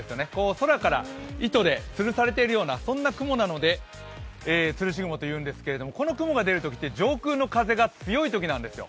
空から糸でつるされているような雲なのでつるし雲と言うんですけど、この雲が出るのって上空の風が強いときなんですよ。